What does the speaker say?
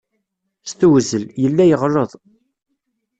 S tewzel, yella yeɣleḍ.